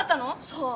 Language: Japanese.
そう。